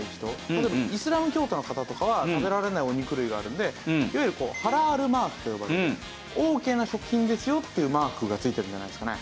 例えばイスラム教徒の方とかは食べられないお肉類があるのでいわゆるハラールマークと呼ばれるオーケーな食品ですよっていうマークが付いてるんじゃないですかね。